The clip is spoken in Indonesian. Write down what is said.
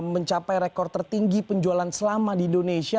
mencapai rekor tertinggi penjualan selama di indonesia